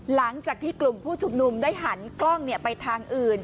หลังจากที่กลุ่มผู้ชุมนุมได้หันกล้องไปทางอื่น